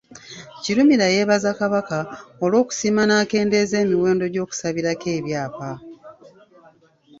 Kirumira yeebaza Kabaka olw'okusiima n’akendeeza emiwendo gy’okusabirako ebyapa.